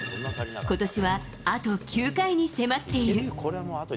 ことしはあと９回に迫っている。